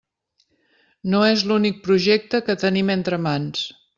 No és l'únic projecte que tenim entre mans.